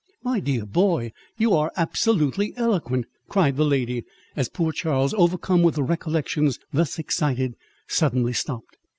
"My dear boy, you are absolutely eloquent!" cried the lady, as poor Charles, overcome with the recollections thus excited, suddenly stopped.